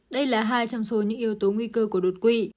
đây là hai trăm linh số những yếu tố nguy cơ của đột quỵ